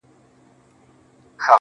زما دردونه د دردونو ښوونځی غواړي.